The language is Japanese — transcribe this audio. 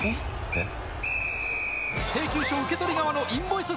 えっ？